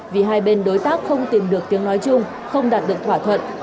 vì hai bên đối tác không tìm được tiếng nói chung không đạt được thỏa thuận